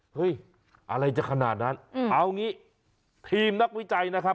เฮ้ยอะไรจะขนาดนั้นเอางี้ทีมนักวิจัยนะครับ